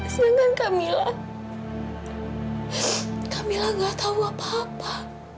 sedangkan kamilah kamilah gak tahu apa apa